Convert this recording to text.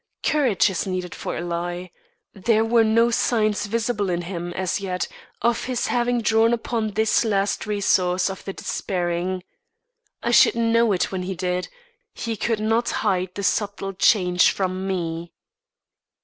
Courage is needed for a lie. There were no signs visible in him, as yet, of his having drawn upon this last resource of the despairing. I should know it when he did; he could not hide the subtle change from me.